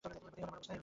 এই হলো আমার অবস্থা।